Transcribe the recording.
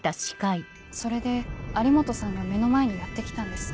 それで有本さんが目の前にやって来たんです。